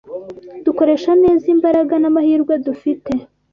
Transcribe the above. dukoresha neza imbaraga n’amahirwe dufite